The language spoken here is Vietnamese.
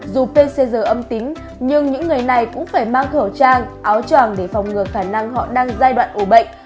dù pcr âm tính nhưng những người này cũng phải mang khẩu trang áo tràng để phòng ngừa khả năng họ đang giai đoạn ủ bệnh